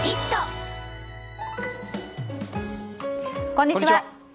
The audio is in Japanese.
こんにちは。